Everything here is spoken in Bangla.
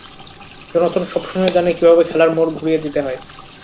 জোনাথন সবসময়ই জানে কীভাবে খেলার মোড় ঘুরিয়ে দিতে হয়!